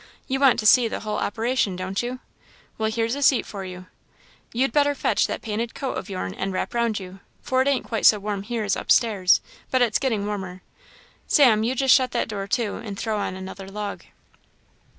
You want to see the whole operation, don't you? Well, here's a seat for you. You'd better fetch that painted coat o' yourn and wrap round you, for it ain't quite so warm here as up stairs; but it's getting warmer. Sam, just you shut that door to, and throw on another log."